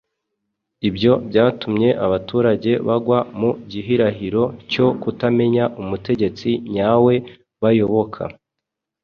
Ibyo byatumye abaturage bagwa mu gihirahiro cyo kutamenya umutegetsi nyawe bayoboka.